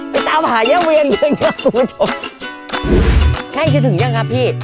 ไปตามหาเย้าเวียนเลยนะคุณผู้ชมไงจะถึงหรือยังครับพี่